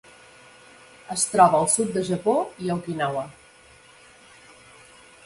Es troba al sud del Japó i a Okinawa.